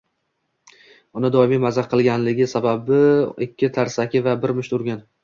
uni doimiy mazax qilganligi sababli ikki tarsaki va bir musht urgan.